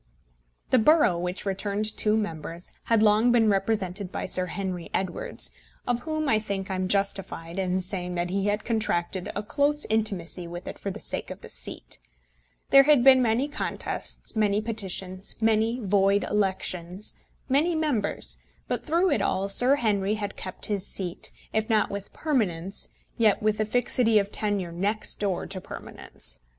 The borough, which returned two members, had long been represented by Sir Henry Edwards, of whom, I think, I am justified in saying that he had contracted a close intimacy with it for the sake of the seat. There had been many contests, many petitions, many void elections, many members, but, through it all, Sir Henry had kept his seat, if not with permanence, yet with a fixity of tenure next door to permanence.